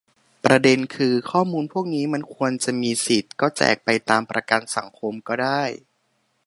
ประเด็นคือ ข้อมูลพวกนี้มันควรจะมีสิ ก็แจกไปตามประกันสังคมก็ได้